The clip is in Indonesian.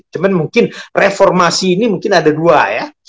cuma mungkin reformasi ini mungkin ada dua ya